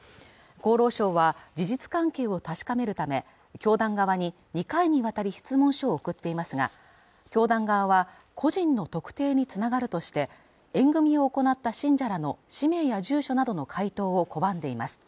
厚労省は事実関係を確かめるため教団側に２回にわたり質問書を送っていますが教団側は個人の特定につながるとして縁組を行った信者らの氏名や住所などの回答を拒んでいます